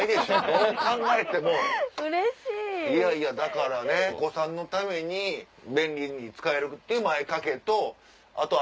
いやいやだからねお子さんのために便利に使えるっていう前掛けと。